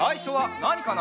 なにかな？